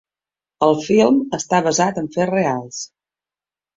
El film està basat en fets reals.